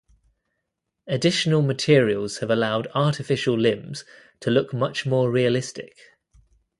Additional materials have allowed artificial limbs to look much more realistic.